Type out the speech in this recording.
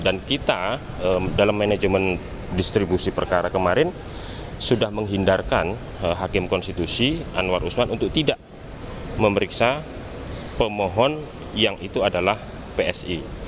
dan kita dalam manajemen distribusi perkara kemarin sudah menghindarkan hakim konstitusi anwar usman untuk tidak memeriksa pemohon yang itu adalah psi